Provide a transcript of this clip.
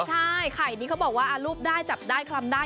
ใช่ไข่นี้เขาบอกว่ารูปได้จับได้คลำได้